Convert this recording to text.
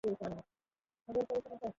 সে পড়ে যায় এবং নিজেকে মেরে ফেলে।